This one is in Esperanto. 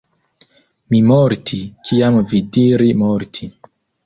Mi morti, kiam vi diri morti.